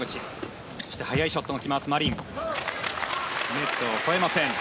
ネットを越えません。